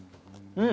うん！